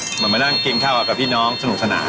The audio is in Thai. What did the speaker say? เหมือนมานั่งกินข้าวกับพี่น้องสนุกสนาน